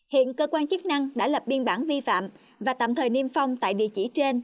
hiện cơ quan chức năng đã lập biên bản vi phạm và tạm thời niêm phong tại địa chỉ trên